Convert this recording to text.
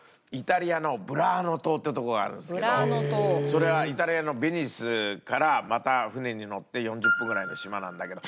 それはイタリアのベニスからまた船に乗って４０分ぐらいの島なんだけど。